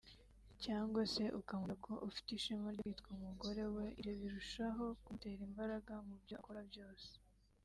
cyangwa se ukamubwira ko ufite ishema ryo kwitwa umugore we ibyo birushaho kumutera imbaraga mubyo akora byose